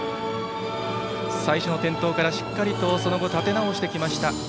最初の転倒からしっかりとその後、立て直してきました。